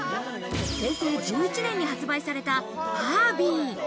平成１１年に発売されたファービー。